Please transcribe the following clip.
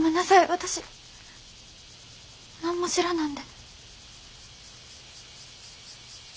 私何も知らなんで。